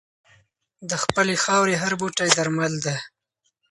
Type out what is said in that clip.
د خپلې خاورې هر بوټی درمل دی.